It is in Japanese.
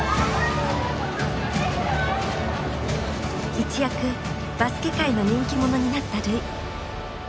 一躍バスケ界の人気者になった瑠唯。